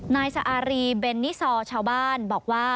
นายสะอารีเบนนิซอร์ชาวบ้านบอกว่า